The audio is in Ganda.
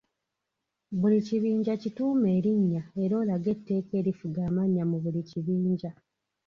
Buli kibinja kituume erinnya era olage etteeka erifuga amannya mu buli kibinja.